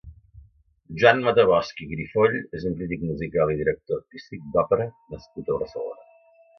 Joan Matabosch i Grifoll és un crític musical i director artístic d'òpera nascut a Barcelona.